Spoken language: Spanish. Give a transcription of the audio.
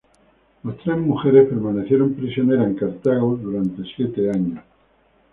Las tres mujeres permanecieron prisioneras en Cartago durante siete años.